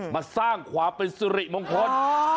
มาสร้างความเป็นสุริมงคล